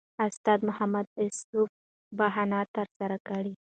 استاد محمد اصف بهاند ترسره کړی.